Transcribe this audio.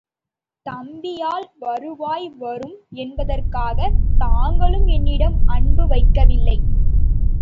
தம்பியால், வருவாய் வரும் என்பதற்காகத் தாங்களும் என்னிடம் அன்பு வைக்கவில்லை.